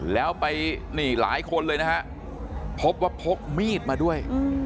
แล้วไปนี่หลายคนเลยนะฮะพบว่าพกมีดมาด้วย